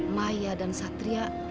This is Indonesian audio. maya dan satria